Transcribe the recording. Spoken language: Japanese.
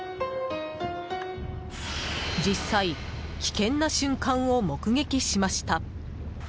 実際、危険な瞬間を目撃しました。